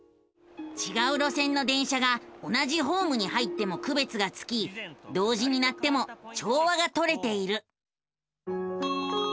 ちがう路線の電車が同じホームに入ってもくべつがつき同時に鳴っても調和がとれている。